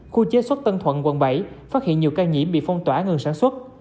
khu chế xuất tân thuận quận bảy phát hiện nhiều ca nhiễm bị phong tỏa ngừng sản xuất